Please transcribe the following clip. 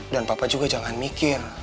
dan papa juga jangan mikir